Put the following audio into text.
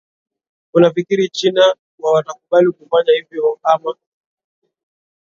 unafikiri china wa watakubali kufanya hivyo ama